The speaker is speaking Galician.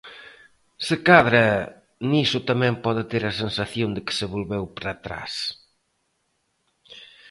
Se cadra niso tamén pode ter a sensación de que se volveu para atrás.